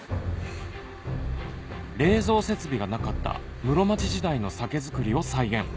冷蔵設備がなかった室町時代の酒づくりを再現